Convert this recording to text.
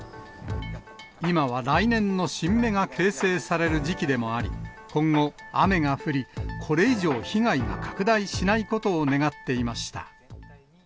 今は来年の新芽が形成される時期でもあり、今後、雨が降り、これ以上、被害が拡大しないことを願っていました。